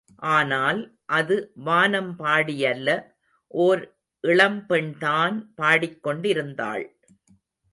ஆனால் அது வானம்பாடியல்ல ஓர் இளம்பெண்தான் பாடிக்கொண்டிருந்தாள்.